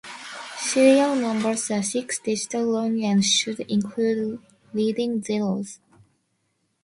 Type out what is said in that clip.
Serial numbers are six digits long and should include leading zeros.